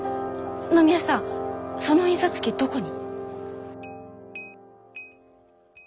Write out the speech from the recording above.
野宮さんその印刷機どこに？